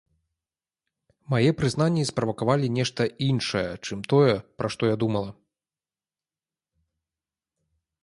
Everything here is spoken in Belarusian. Мае прызнанні справакавалі нешта іншае, чым тое, пра што я думала.